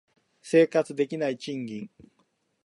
生活できない賃金